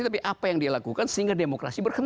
tapi apa yang dia lakukan sehingga dia bisa berhenti